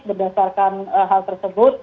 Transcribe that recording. berdasarkan hal tersebut